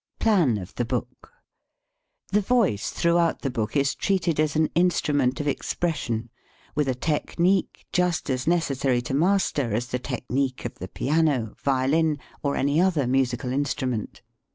PLAN OF THE BOOK THE Voice throughout the book is treated as an Instrument of Expression, with a technique just as necessary to master as the technique of the piano, violin, or any other musical instrument.